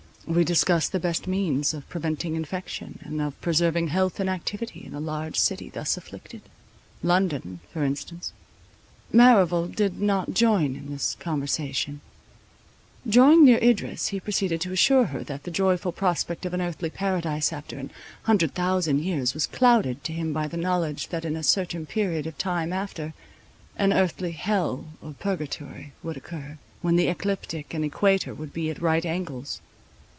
We discussed the best means of preventing infection, and of preserving health and activity in a large city thus afflicted—London, for instance. Merrival did not join in this conversation; drawing near Idris, he proceeded to assure her that the joyful prospect of an earthly paradise after an hundred thousand years, was clouded to him by the knowledge that in a certain period of time after, an earthly hell or purgatory, would occur, when the ecliptic and equator would be at right angles.